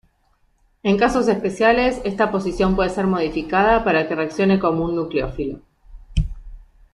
En casos especiales, esta posición puede ser modificada para que reaccione como un nucleófilo.